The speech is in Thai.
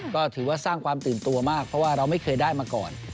ก็ถือว่าสร้างความตื่นตัวมากเพราะว่าเราไม่เคยได้มาก่อน